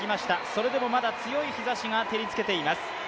それでもまだ強い日差しが照りつけています。